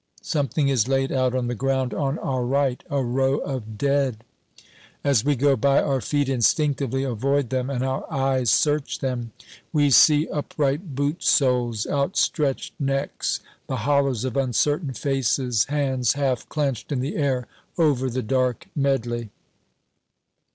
Something is laid out on the ground on our right a row of dead. As we go by, our feet instinctively avoid them and our eyes search them. We see upright boot soles, outstretched necks, the hollows of uncertain faces, hands half clenched in the air over the dark medley.